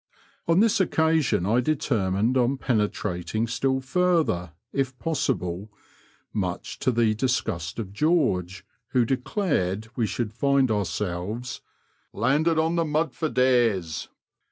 On this occasion I determined on penetrating still farther, if possible — ^much to the disgust of George, who declared we should find ourselves " landed on the mud for days.